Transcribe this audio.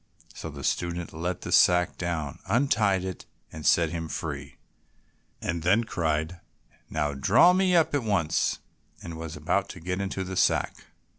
So the student let the sack down, untied it, and set him free, and then cried, "Now draw me up at once," and was about to get into the sack.